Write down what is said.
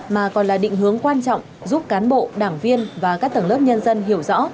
mà còn là định hướng quan trọng giúp cán bộ đảng viên và các tầng lớp nhân dân hiểu rõ